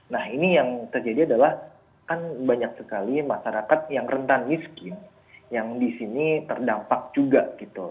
nah ini yang terjadi adalah kan banyak sekali masyarakat yang rentan miskin yang di sini terdampak juga gitu